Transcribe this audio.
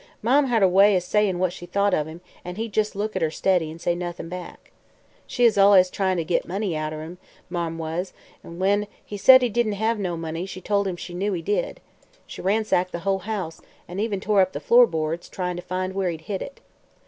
Mann had a way o' sayin' what she thought o' him, an' he'd jes' look at her steady an' say nuth'n back. She was allus tryin' to git money out o' him, Marm was, an' when he said he didn't hev no money she tol' him she knew he did. She ransacked the whole house an' even tore up the floor boards tryin' to find where he'd hid it.